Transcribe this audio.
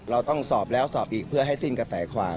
เราต้องสอบแล้วสอบอีกเพื่อให้สิ้นกระแสความ